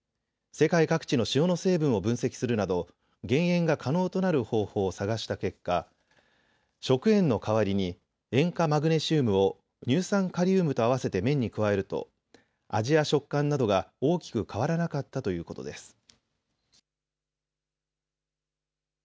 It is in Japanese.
世界各地の塩の成分を分析するなど減塩が可能となる方法を探した結果、食塩の代わりに塩化マグネシウムを乳酸カリウムと合わせて麺に加えると味や食感などが大きく変わらなかったということです。